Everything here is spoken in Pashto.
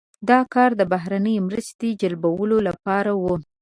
دا کار د بهرنۍ مرستې جلبولو لپاره و.